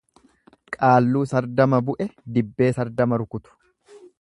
Qaalluu sardama bu'e dibbee sardama rukutu.